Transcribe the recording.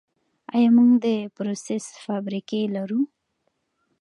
آیا موږ د پروسس فابریکې لرو؟